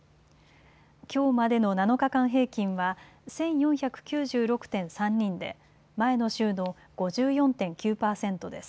きょうまでの７日間平均は１４９６．３人で前の週の５４．９％です。